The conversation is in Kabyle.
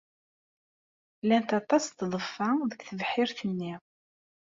Llant aṭas n tḍeffa deg tebḥirt-nni.